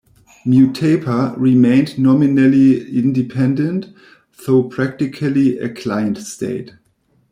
Mutapa remained nominally independent, though practically a client state.